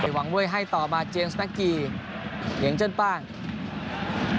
หวังเมื่อให้ต่อมาเจมส์แมกกี้เหลียงเจิ่นป้าแนม